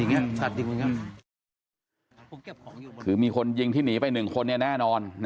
สิ่งหน้ากลรุชคือมีคนยิงที่หนีไป๑คนแน่นอน